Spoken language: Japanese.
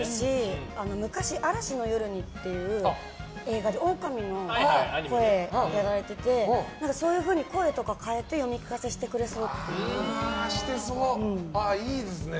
昔、「あらしのよるに」っていう映画でオオカミの声をやられていてそういうふうに声とかを変えて読み聞かせしてくれそう。